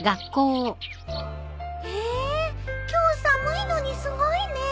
へえ今日寒いのにすごいねえ。